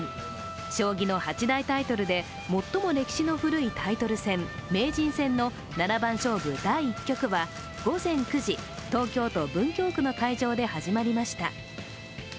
将棋の８大タイトルで最も歴史の古いタイトル戦名人戦の七番勝負第１局は午前９時東京都文京区の会場で始まりました。